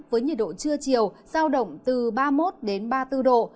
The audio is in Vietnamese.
với nhiệt độ trưa chiều giao động từ ba mươi một đến ba mươi bốn độ